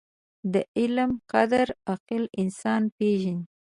• د علم قدر، عاقل انسان پېژني.